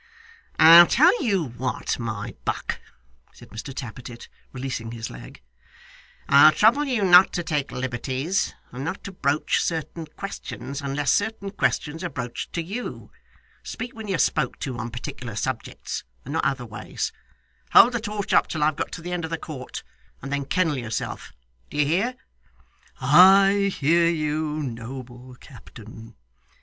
'I'll tell you what, my buck,' said Mr Tappertit, releasing his leg; 'I'll trouble you not to take liberties, and not to broach certain questions unless certain questions are broached to you. Speak when you're spoke to on particular subjects, and not otherways. Hold the torch up till I've got to the end of the court, and then kennel yourself, do you hear?' 'I hear you, noble captain.